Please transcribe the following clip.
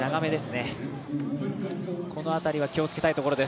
この辺りは気をつけたいところです。